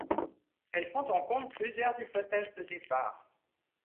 Elle prend en compte plusieurs hypothèses de départ.